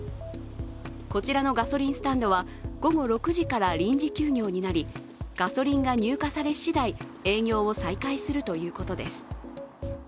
こちらのガソリンスタンドは午後６時から臨時休業になりガソリンが入荷され次第、営業を再開するということです。